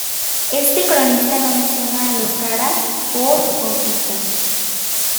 Este cronista no menciona a los caras o su conquista.